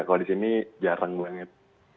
kalau di sini jarang banget